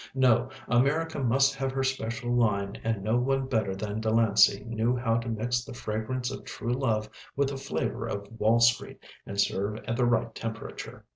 No, America must have her special line and no one better than Delancey knew how to mix the fragrance of true love with the flavour of Wall Street and serve at the right temperature.